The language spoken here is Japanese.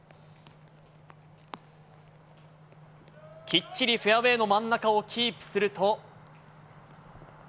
きっちりフェアウエーの真ん中をキープすると。